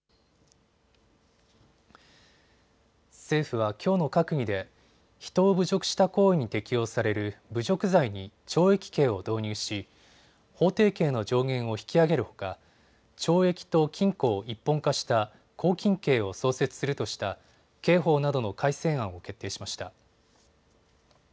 政府はきょうの閣議で人を侮辱した行為に適用される侮辱罪に懲役刑を導入し法定刑の上限を引き上げるほか懲役と禁錮を一本化した拘禁刑を創設するとした刑法などの改正案を決定しました。